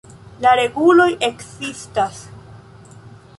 La reguloj ekzistas.